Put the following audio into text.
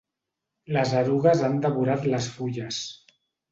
Les erugues han devorat les fulles.